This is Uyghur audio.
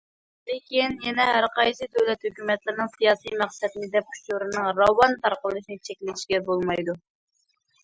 لېكىن، يەنە ھەرقايسى دۆلەت ھۆكۈمەتلىرىنىڭ سىياسىي مەقسەتنى دەپ ئۇچۇرىنىڭ راۋان تارقىلىشىنى چەكلىشىگە بولمايدۇ.